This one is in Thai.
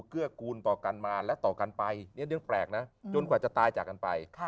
เกื้อกูลต่อกันมาและต่อกันไปเรื่องแปลกนะจะตายจากกันไป